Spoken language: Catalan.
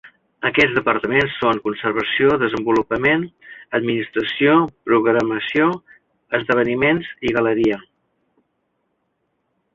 Aquests departaments són: Conservació, Desenvolupament, Administració, Programació, Esdeveniments i Galeria.